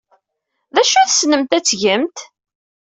D acu ay tessnemt ad tgemt?